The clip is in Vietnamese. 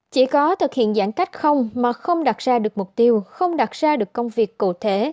chỉ có thực hiện giãn cách không mà không đặt ra được mục tiêu không đặt ra được công việc cụ thể